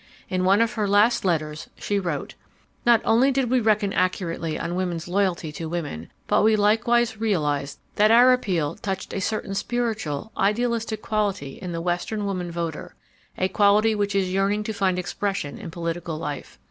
In one of her last letters she wrote: "'Not only did we reckon accurately on women's loyalty to women, but we likewise realized that our appeal touched a certain spiritual, idealistic quality in the western woman voter, a quality which is yearning to find expression in political life.